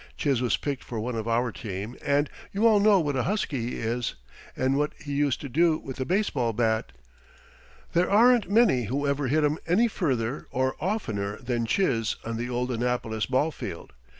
Chiz was picked for one of our team, and you all know what a husky he is, and what he used to do with a baseball bat. There aren't many who ever hit 'em any further or oftener than Chiz on the old Annapolis ball field.